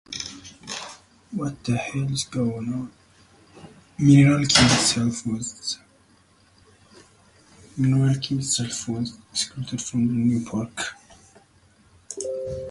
Mineral King itself was excluded from the new park.